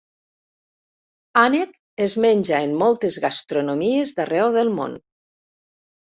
Ànec es menja en moltes gastronomies d'arreu del món.